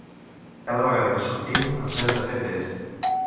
Cada vegada que sortim ens hem de fer tests.